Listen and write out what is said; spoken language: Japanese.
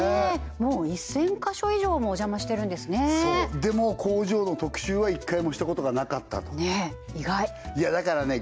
もう１０００か所以上もお邪魔してるんですねでも工場の特集は一回もしたことがなかったとねえ意外だからね